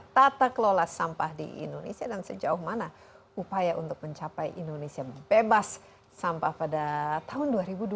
tata kelola sampah di indonesia dan sejauh mana upaya untuk mencapai indonesia bebas sampah pada tahun dua ribu dua puluh